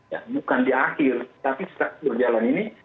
ya bukan di akhir tapi setelah berjalan ini